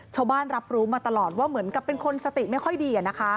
รับรู้มาตลอดว่าเหมือนกับเป็นคนสติไม่ค่อยดี